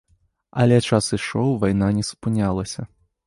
Але час ішоў, вайна не супынялася.